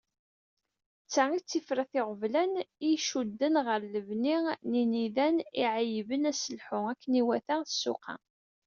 D ta i tifrat n iɣeblan i icudden ɣer lebni n yinidan, i iεeyyben aselḥu akken iwata ssuq-a.